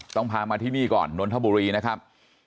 ต้องพามาที่นี่ก่อนนนทบุรีนะครับ